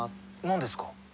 何ですか？